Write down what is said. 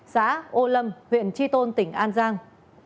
xã ô lâm huyện tri tôn tỉnh an giang